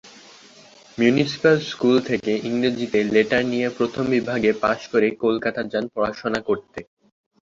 Municipal school থেকে ইংরেজিতে letter নিয়ে প্রথম বিভাগে পাস করে কলকাতা যান পড়াশোনা করতে।